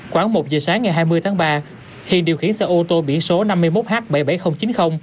khoảng một giờ sáng ngày hai mươi tháng ba hiền điều khiển xe ô tô biển số năm mươi một h bảy mươi bảy nghìn chín mươi